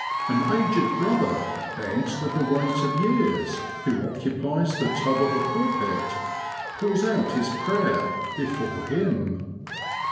An aged brother, bent with the weight of years, who occupies the tub of a pulpit, pours out his prayer before Him.